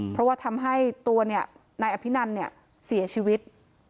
เพราะว่าทำให้ตัวเนี่ยนายอภินันเนี่ยเสียชีวิต